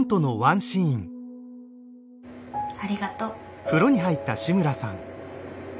・ありがとう。